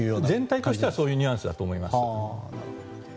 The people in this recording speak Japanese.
全体からしたらそういうニュアンスだと思います。